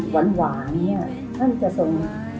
วันหวานเนี่ยท่านจะส่ง